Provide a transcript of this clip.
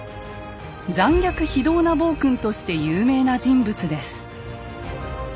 残虐非道な暴君として有名な人物です。